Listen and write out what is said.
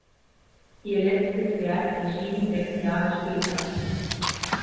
Ihr letztes Werk erschien sechs Jahre später.